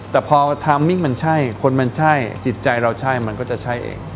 แต่พอทามมิ่งมันใช่คนมันใช่จิตใจเราใช่มันก็จะใช่เอง